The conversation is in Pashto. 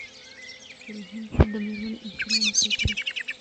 رحیم باید د مېرمنې احترام زده کړي.